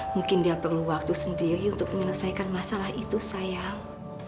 mungkin dia perlu waktu sendiri untuk menyelesaikan masalah itu sayang